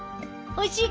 おいしい！